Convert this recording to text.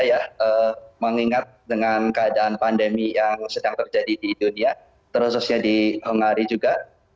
ya mengingat dengan keadaan pandemi yang sedang terjadi di dunia terutama di hongari juga